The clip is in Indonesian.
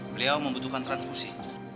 beliau membutuhkan transkursi